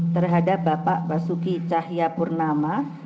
terhadap bapak basuki cahya purnama